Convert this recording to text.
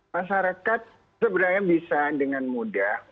masyarakat sebenarnya bisa dengan mudah